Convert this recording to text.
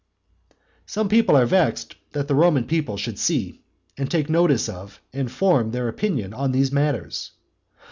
Some people are vexed that the Roman people should see, and take notice of, and form their opinion on these matters.